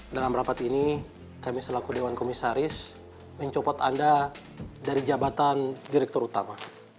dalam rapat ini kami selaku dewan komisaris mencopot anda dari jabatan direktur utama